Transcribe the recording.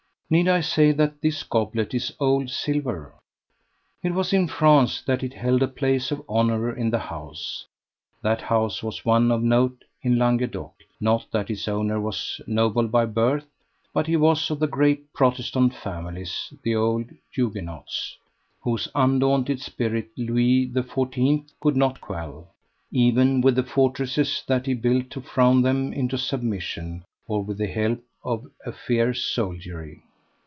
Need I say that this goblet is "old silver?" It was in France that it held a place of honour in the house. That house was one of note in Languedoc, not that its owner was noble by birth, but he was of the great Protestant families the old Huguenots whose undaunted spirit Louis the Fourteenth could not quell, even with the fortresses that he built to frown them into submission, or with the help of a fierce soldiery.